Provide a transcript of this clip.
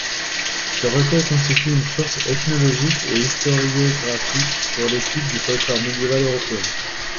Ce recueil constitue une source ethnologique et historiographique pour l'étude du folklore médiéval européen.